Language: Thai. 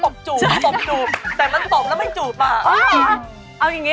คุณสวัสดี